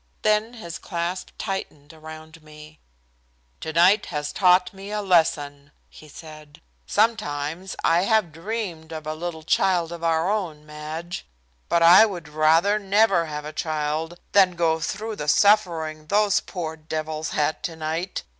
Then his clasp tightened around me. "Tonight has taught me a lesson," he said. "Sometimes I have dreamed of a little child of our own, Madge. But I would rather never have a child than go through the suffering those poor devils had tonight.